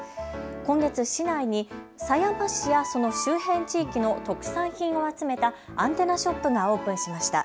今月、市内に狭山市やその周辺地域の特産品を集めたアンテナショップがオープンしました。